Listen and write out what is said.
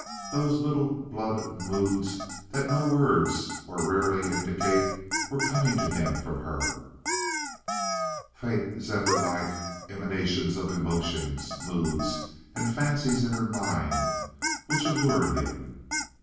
Those little blood moods that no words ever (or rarely) indicate were coming to him from her—faint zephyr like emanations of emotions, moods, and fancies in her mind which allured him.